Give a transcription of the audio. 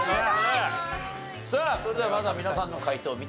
さあそれではまずは皆さんの解答を見てみましょう。